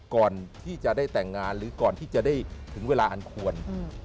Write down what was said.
ก่อนที่จะได้แต่งงานหรือก่อนที่จะได้ถึงเวลาอันควร